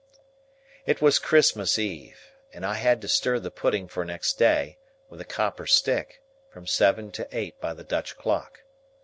It was Christmas Eve, and I had to stir the pudding for next day, with a copper stick, from seven to eight by the Dutch clock.